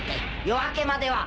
夜明けまでは？